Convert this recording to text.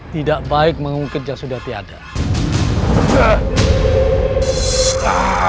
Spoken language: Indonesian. tidak baik mengungkit jasudati adat